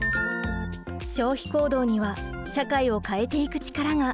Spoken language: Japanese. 消費行動には社会を変えていく力が。